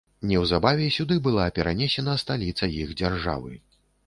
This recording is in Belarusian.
Неўзабаве сюды была перанесена сталіца іх дзяржавы.